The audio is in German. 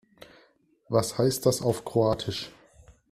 Was heißt das auf Kroatisch?